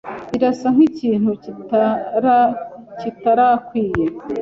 Birasa nkikintu kitarakwiye.